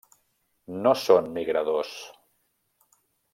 No són migradors.